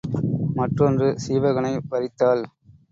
மற்றொன்று சீவகனை வரித்தாள்.